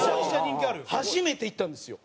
初めていったんですよ。